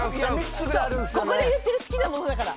ここで言ってる好きなものだから。